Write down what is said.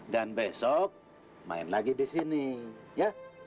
dan besok main lagi di sini ya